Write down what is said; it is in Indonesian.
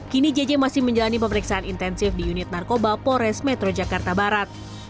kini jj masih menjalani pemeriksaan intensif di unit narkoba polres metro jakarta barat